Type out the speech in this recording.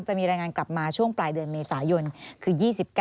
จะมีรายงานกลับมาช่วงปลายเดือนเมษายนคือ๒๙